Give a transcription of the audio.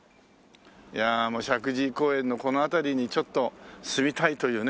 いやもう石神井公園のこの辺りにちょっと住みたいというね。